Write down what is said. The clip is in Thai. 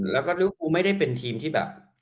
แล้วก็กูไม่ได้เป็นทีมที่แบบ